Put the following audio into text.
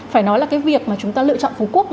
phải nói là cái việc mà chúng ta lựa chọn phú quốc